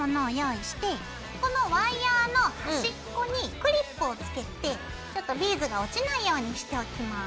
このワイヤーの端っこにクリップをつけてちょっとビーズが落ちないようにしておきます。